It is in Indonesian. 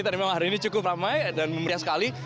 tadi memang hari ini cukup ramai dan memeriah sekali